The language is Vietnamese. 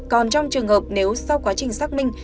còn trong trường hợp nếu sau quá trình xác minh